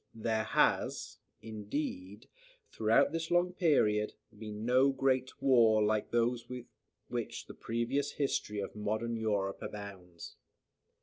There has, indeed, throughout this long period, been no great war, like those with which the previous history of modern Europe abounds.